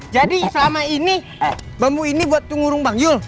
jadi selama ini bambu ini buat ngurung bang yul